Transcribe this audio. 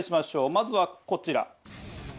まずはこちら